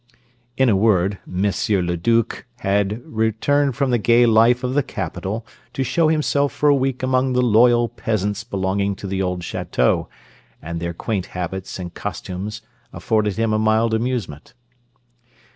In a word, M. le Due had returned from the gay life of the capital to show himself for a week among the loyal peasants belonging to the old chateau, and their quaint habits and costumes afforded him a mild amusement.